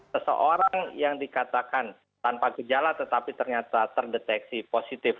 seseorang yang dikatakan tanpa gejala tetapi ternyata terdeteksi positif